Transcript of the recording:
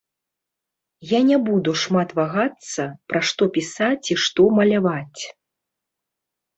Я не буду шмат вагацца, пра што пісаць і што маляваць.